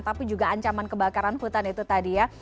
tapi juga ancaman kebakaran hutan itu tadi ya